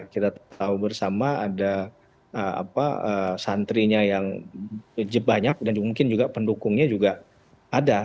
kita tahu bersama ada santrinya yang banyak dan mungkin juga pendukungnya juga ada